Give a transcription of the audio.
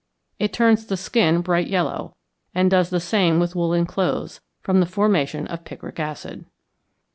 It turns the skin bright yellow, and does the same with woollen clothes, from the formation of picric acid.